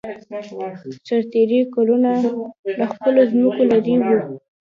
سرتېري کلونه له خپلو ځمکو لېرې وو.